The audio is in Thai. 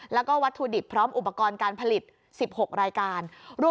แล้วก็วัตถุดิบพร้อมอุปกรณ์การผลิต๑๖รายการ